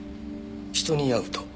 人に会うと。